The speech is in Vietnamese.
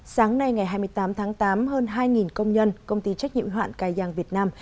sáng nay ngày hai mươi tám tháng tám hơn hai công nhân công ty trách nhiệm hoạn cài giang việt nam